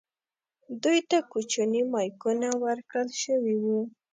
دوی ته کوچني مایکونه ورکړل شوي وو.